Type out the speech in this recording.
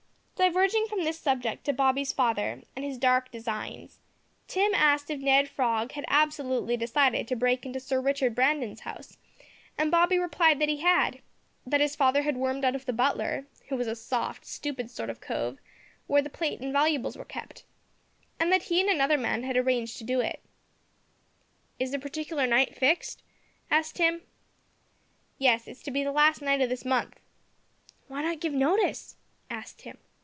Diverging from this subject to Bobby's father, and his dark designs, Tim asked if Ned Frog had absolutely decided to break into Sir Richard Brandon's house, and Bobby replied that he had; that his father had wormed out of the butler, who was a soft stupid sort of cove, where the plate and valuables were kept, and that he and another man had arranged to do it. "Is the partikler night fixed?" asked Tim. "Yes; it's to be the last night o' this month." "Why not give notice?" asked Tim.